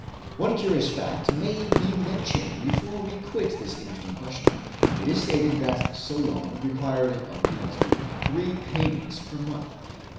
One curious fact may be mentioned before we quit this interesting question. It is stated that "Solon required [of the husband] three payments per month.